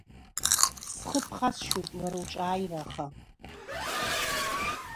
Схы ԥхасшьоит уара уҿы ааира, аха…